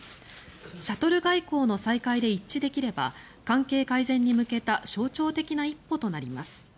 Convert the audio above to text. シャトル外交の再開で一致できれば関係改善に向けた象徴的な一歩となります。